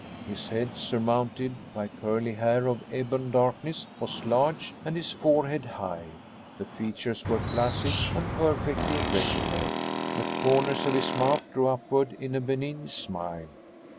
His head, surmounted by curly hair of ebon darkness, was large, and his forehead high. The features were classic and perfectly regular. The corners of his mouth drew upward in a benign smile.